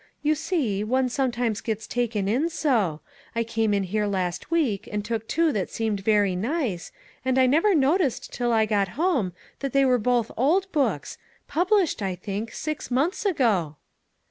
"You see, one sometimes gets taken in so: I came in here last week and took two that seemed very nice, and I never noticed till I got home that they were both old books, published, I think, six months ago."